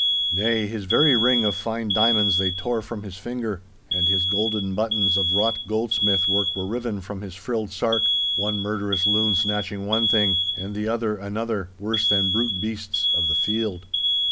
Nay, his very ring of fine diamonds they tore from his finger, and his golden buttons of wrought goldsmith work were riven from his frilled sark—one murderous loon snatching one thing and the other another, worse than brute beasts of the field.